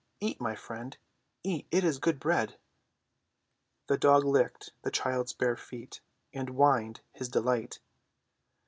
Eat, my friend, eat, it is good bread." The dog licked the child's bare feet and whined his delight.